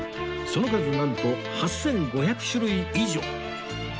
その数なんと８５００種類以上